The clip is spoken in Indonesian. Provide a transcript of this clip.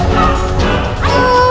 lu yang harus diam